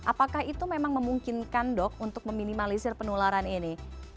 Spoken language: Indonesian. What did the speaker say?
apakah itu memang memungkinkan dok untuk meminimalisir penularan ini